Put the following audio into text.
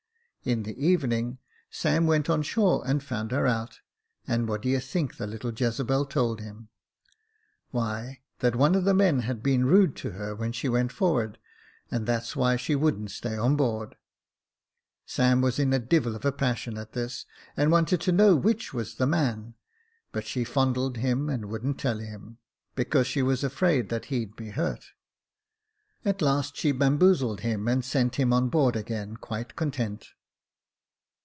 In the evening, Sam went on shore and found her out, and what d'ye think the little Jezebel told him ?— why, that one of the men had been rude to her when she went forward, and that's why she wouldn't stay on board. Sam was in a devil of a passion at this, and wanted to know which was the man ; but she fondled him, and wouldn't tell him, because Jacob Faithful 93 she was afraid that he'd be hurt. At last she bamboozled him, and sent him on board again quite content.